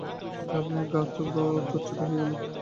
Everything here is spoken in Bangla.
ঘামে গা চটচটে হয়ে গেল।